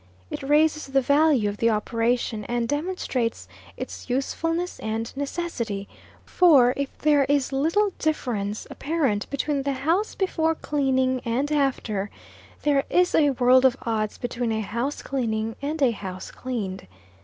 It raises the value of the operation, and demonstrates its usefulness and necessity; for if there is little difference apparent between the house before cleaning and after, there is a world of odds between a house cleaning and a house cleaned.